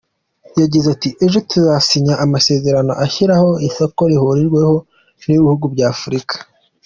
Yagize ati “ Ejo tuzasinya amasezerano ashyiraho Isoko Rihuriweho n’Ibihugu bya Afurika.